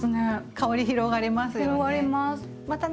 香り広がりますよね。